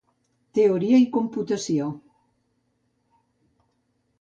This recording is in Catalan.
Teoria i computació.